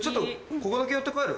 ここだけ寄って帰る？